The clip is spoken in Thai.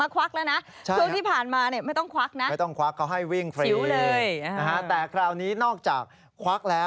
กลับมาควักแล้วนะช่วงที่ผ่านมาไม่ต้องควักนะ